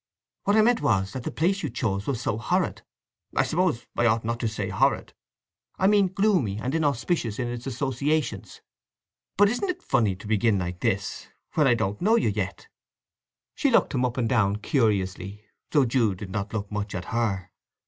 What I meant was that the place you chose was so horrid—I suppose I ought not to say horrid—I mean gloomy and inauspicious in its associations… But isn't it funny to begin like this, when I don't know you yet?" She looked him up and down curiously, though Jude did not look much at her.